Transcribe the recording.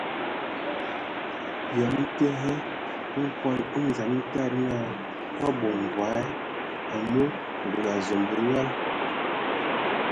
Eyɔŋ tə ndə hm nkɔkɔŋ o nə dzam tadi na o abɔ mvoa, amu ngul azombo nyɔl.